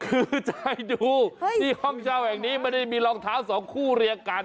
คือจะให้ดูที่ห้องเช่าแห่งนี้ไม่ได้มีรองเท้าสองคู่เรียงกัน